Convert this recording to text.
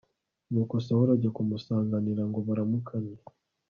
nuko sawuli ajya kumusanganira ngo baramukanye